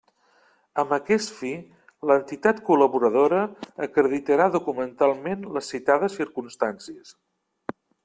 Amb aquest fi, l'entitat col·laboradora acreditarà documentalment les citades circumstàncies.